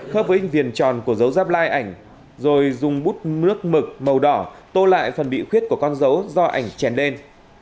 khớp với viền tròn của dấu giáp like ảnh rồi dùng bút nước mực màu đỏ tô lại phần bị khuyết của con dấu do ảnh chèn lên